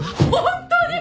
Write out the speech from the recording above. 本当に！？